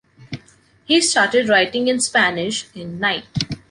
He started writing in Spanish in "Night".